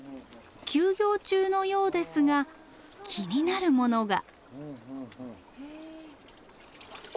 休業中のようですが気になるものが。